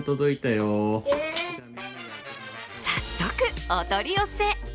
早速、お取り寄せ。